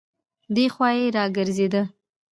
دی خوا يې راګرځېده.